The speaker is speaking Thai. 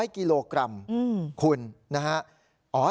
๐กิโลกรัมคุณนะฮะ